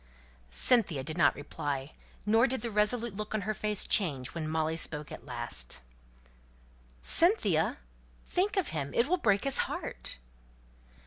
Cynthia did not reply; nor did the resolute look on her face change when Molly spoke at last, "Cynthia think of him! It will break his heart!"